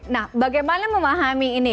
nah bagaimana memahami ini